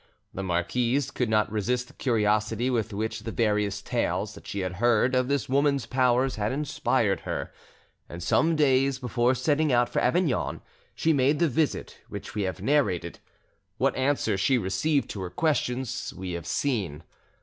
The marquise could not resist the curiosity with which various tales that she had heard of this woman's powers had inspired her, and some days before setting out for Avignon she made the visit which we have narrated. What answer she received to her questions we have seen.